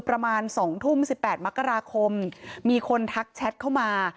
ประมาณ๒ทุ่ม๑๘มกราคมมีคนทักแชทเข้ามา